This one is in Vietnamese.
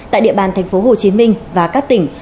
tại địa bàn tp hcm và các tỉnh